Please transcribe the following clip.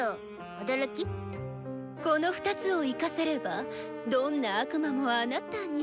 この２つを生かせればどんな悪魔もあなたに。